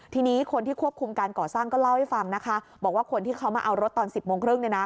ทีนี้คนที่ควบคุมการก่อสร้างก็เล่าให้ฟังนะคะบอกว่าคนที่เขามาเอารถตอน๑๐โมงครึ่ง